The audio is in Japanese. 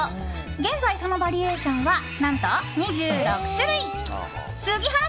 現在、そのバリエーションは何と２６種類。